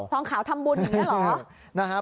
งขาวทำบุญอย่างนี้เหรอ